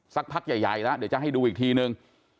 สักพักใหญ่แล้วเดี๋ยวจะให้ดูอีกทีนึง